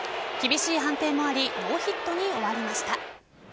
厳しい判定もありノーヒットに終わりました。